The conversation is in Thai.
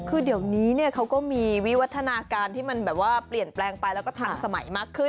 คือเดี๋ยวนี้เขาก็มีวิวัฒนาการที่มันแบบว่าเปลี่ยนแปลงไปแล้วก็ทันสมัยมากขึ้น